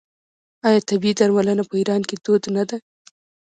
آیا طبیعي درملنه په ایران کې دود نه ده؟